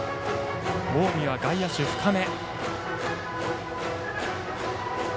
近江は外野手、深め。